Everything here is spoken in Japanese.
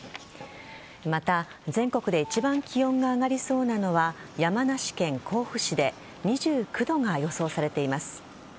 また全国で一番気温が上がりそうなのは山梨県甲府市で２９度が予想されています。